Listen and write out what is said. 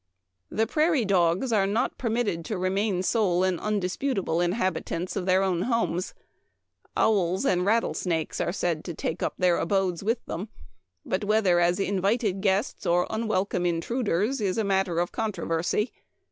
" The prairie dogs are not .permitted to remain sole and indisputable inhabitants of their own homes. Owls and rattlesnakes are said to take up their abodes with them, but whether as in vited guests or unwelcome intruders is a matter of controversy.